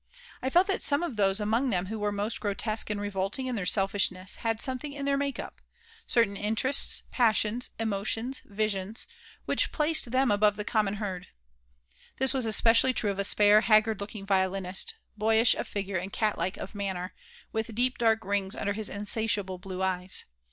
I felt that some of those among them who were most grotesque and revolting in their selfishness had something in their make up certain interests, passions, emotions, visions which placed them above the common herd. This was especially true of a spare, haggard looking violinist, boyish of figure and cat like of manner, with deep dark rings under his insatiable blue eyes.